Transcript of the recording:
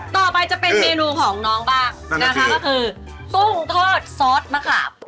ต่อไปจะเป็นเมนูของน้องบ้างนะคะก็คือกุ้งทอดซอสมะขาบ